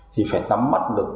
thì phải nắm mắt được